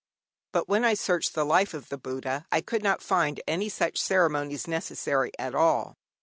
But when I searched the life of the Buddha, I could not find any such ceremonies necessary at all.